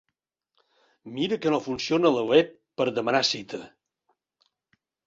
Mira que no funciona la web per demanar cita!